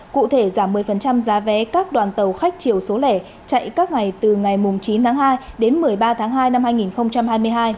cụ thể giảm một mươi giá vé các đoàn tàu khách chiều số lẻ chạy các ngày từ ngày chín tháng hai đến một mươi ba tháng hai năm hai nghìn hai mươi hai